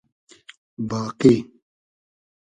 باقی